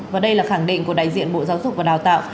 và đây là khẳng định của đại diện bộ giáo dục và đào tạo